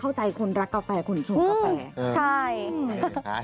เข้าใจคนรักกาแฟคุณสู่กาแฟ